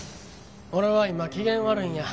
俺は今機嫌悪いんや。